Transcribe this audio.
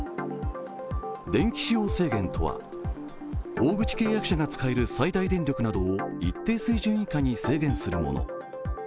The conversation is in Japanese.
電気使用制限とは、大口契約者が使える最大電力などを一定水準以下に制限するもの。